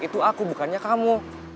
itu aku bukannya kamu